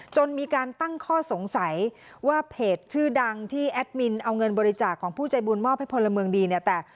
จนมีการตั้งข้อสงสัยว่าเพจชื่อดังที่แอดมินเอาเงินบริจาคของผู้ใจบุญมอบให้พลเมืองดีเนี่ย